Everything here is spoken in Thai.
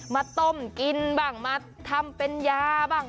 มาต้มกินบ้างมาทำเป็นยาบ้าง